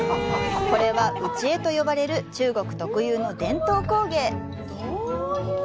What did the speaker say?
これは内画と呼ばれる中国特有の伝統工芸。